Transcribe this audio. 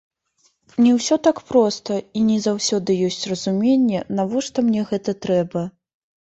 Не ўсё так проста, і не заўсёды ёсць разуменне, навошта мне гэта трэба.